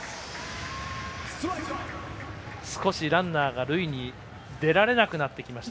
少しランナーが塁に出られなくなってきました